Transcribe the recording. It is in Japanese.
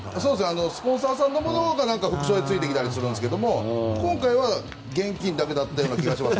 スポンサーさんのものが副賞でついてきた気がするんですが今回は現金だけだったような気がします。